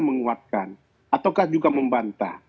menguatkan ataukah juga membantah